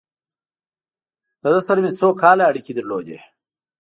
له ده سره مې څو کاله اړیکې درلودې.